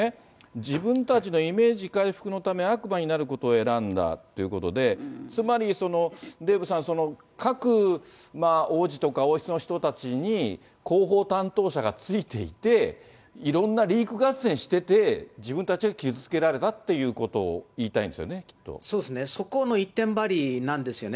自分たちのイメージ回復のため、悪魔になることを選んだということで、つまりデーブさん、各王子とか王室の人たちに広報担当者がついていて、いろんなリーク合戦してて、自分たちは傷つけられたということをそうですね、そこの一点張りなんですよね。